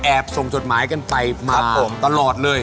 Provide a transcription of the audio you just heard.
ส่งจดหมายกันไปมาผมตลอดเลย